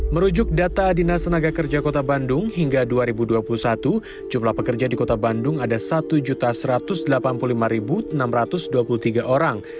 merujuk data dinas tenaga kerja kota bandung hingga dua ribu dua puluh satu jumlah pekerja di kota bandung ada satu satu ratus delapan puluh lima enam ratus dua puluh tiga orang